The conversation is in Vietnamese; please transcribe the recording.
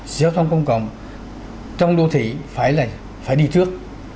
giao thông công cộng trong đô thị phải đi trước